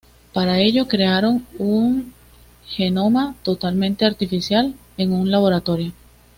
Para ello crearon un genoma totalmente artificial en un laboratorio.